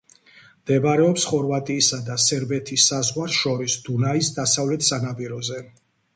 მდებარეობს ხორვატიისა და სერბეთის საზღვარს შორის, დუნაის დასავლეთ სანაპიროზე.